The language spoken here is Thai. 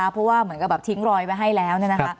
เพราะว่าเหมือนกับทิ้งรอยไว้ให้แล้ว